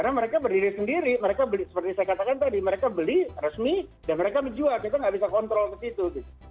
karena mereka berdiri sendiri mereka beli seperti saya katakan tadi mereka beli resmi dan mereka menjual kita gak bisa kontrol ke situ